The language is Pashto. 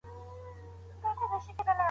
د ثابت بن قيس ميرمني رسول الله ته څه وويل؟